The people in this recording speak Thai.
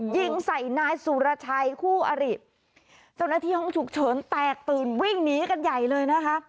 ยิงใส่นายสุรชัยคู่อริเจ้าหน้าที่ห้องฉุกเฉินแตกตื่นวิ่งหนีกันใหญ่เลยนะคะ